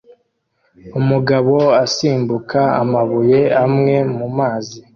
Umugabo asimbuka amabuye amwe mumazi